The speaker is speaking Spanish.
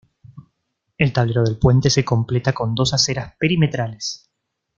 El tablero del puente se completa con dos aceras perimetrales.